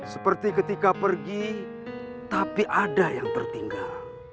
seperti ketika pergi tapi ada yang tertinggal